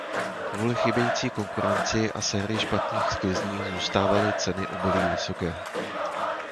Kvůli chybějící konkurenci a sérii špatných sklizní zůstávaly ceny obilí vysoké.